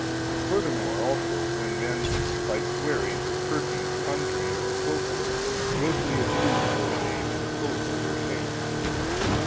Furthermore, also when men, by swearing, cursing, conjuring, etc., grossly abuse the holy name as a cloak for their shame.